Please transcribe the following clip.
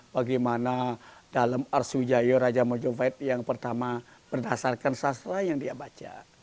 bagaimana dalam arsu jayo raja mojovid yang pertama berdasarkan sastra yang dia baca